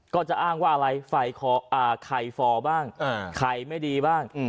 ก็จะอ้างว่าอะไรไข่ฟอบ้างไข่ไม่ดีบ้าง